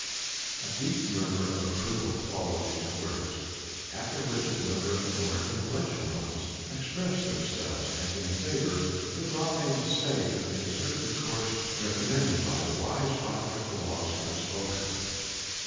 A deep murmur of approval followed these words, after which a number of the more influential ones expressed themselves as in favor of adopting the safe and conservative course recommended by the wise doctor of the laws who had spoken.